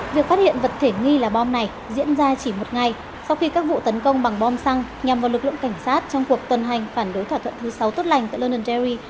việc phát hiện vật thể nghi là bom này diễn ra chỉ một ngày sau khi các vụ tấn công bằng bom xăng nhằm vào lực lượng cảnh sát trong cuộc tuần hành phản đối thỏa thuận thứ sáu tốt lành tại london derry